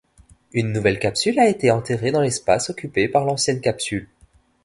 Une nouvelle capsule a été enterrée dans l'espace occupée par l'ancienne capsule.